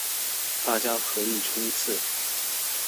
大家合力衝刺